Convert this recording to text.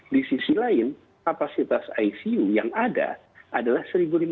di sisi lain kapasitas icu yang ada adalah satu lima ratus